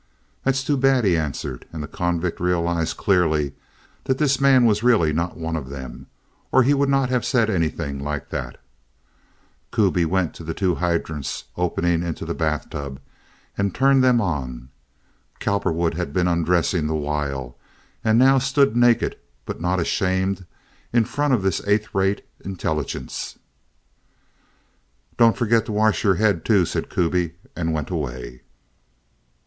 "That's too bad," he answered; and the convict realized clearly that this man was really not one of them, or he would not have said anything like that. Kuby went to the two hydrants opening into the bath tub and turned them on. Cowperwood had been undressing the while, and now stood naked, but not ashamed, in front of this eighth rate intelligence. "Don't forget to wash your head, too," said Kuby, and went away.